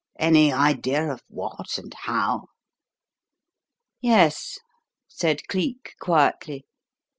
Any idea of what and how?" "Yes," said Cleek, quietly.